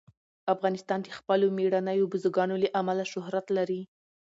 افغانستان د خپلو مېړنیو بزګانو له امله شهرت لري.